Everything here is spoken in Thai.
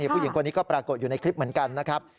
ผู้หญิงคนนี้ก็ปรากฏอยู่ในคลิปเหมือนกันนะครับ